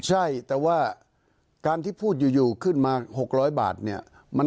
ใช่แต่ว่าการที่พูดอยู่ขึ้นมา๖๐๐บาทเนี่ย